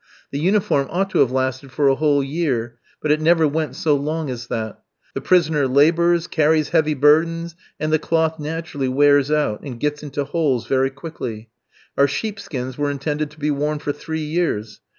The uniform ought to have lasted for a whole year, but it never went so long as that. The prisoner labours, carries heavy burdens, and the cloth naturally wears out, and gets into holes very quickly. Our sheepskins were intended to be worn for three years.